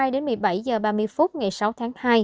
đến một mươi bảy h ba mươi phút ngày sáu tháng hai